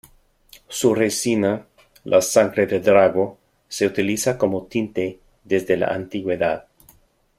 Su resina, la sangre de drago, se utiliza como tinte desde la antigüedad.